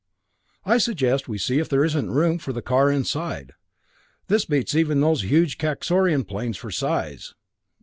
I suggest, we see if there isn't room for the car inside. This beats even those huge Kaxorian planes for size."